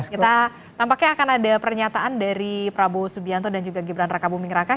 kita tampaknya akan ada pernyataan dari prabowo subianto dan juga gibran raka buming raka